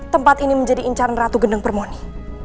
tempat ini menjadi incaran ratu geneng permoni